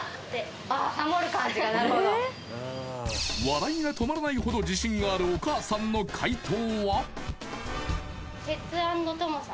笑いが止まらないほど自信があるお母さんの解答は？